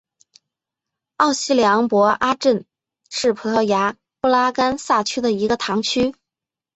奥西良博阿镇是葡萄牙布拉干萨区的一个堂区。